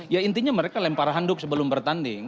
ya intinya mereka lempar handuk sebelum bertanding